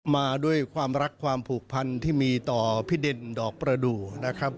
มาด้วยความรักความผูกพันธ์ที่มีต่อพศ๒๕๓๔นะครับ